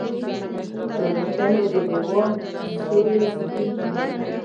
تور وېښته مې د دیوال سیورې سپین کړي